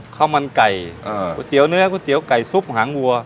ข้าวมันไก่ก๋วยเตี๋ยวเนื้อก๋วเตี๋ยไก่ซุปหางวัว